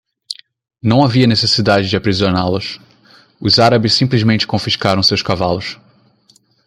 Não havia necessidade de aprisioná-los. Os árabes simplesmente confiscaram seus cavalos.